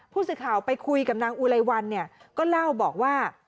ผู้สื่อข่าวไปคุยกับนางอุไลวันเนี่ยก็เล่าบอกว่า